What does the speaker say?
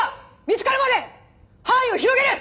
見つかるまで範囲を広げる！